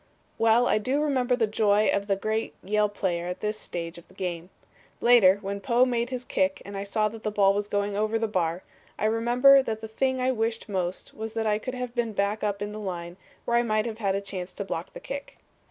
Well do I remember the joy of that great Yale player at this stage of the game. Later, when Poe made his kick and I saw that the ball was going over the bar, I remember that the thing I wished most was that I could have been up in the line where I might have had a chance to block the kick.